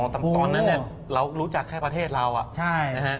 อ๋อตอนนั้นเนี่ยเรารู้จักแค่ประเทศเราอ่ะนะฮะใช่